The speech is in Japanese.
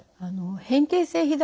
変形性ひざ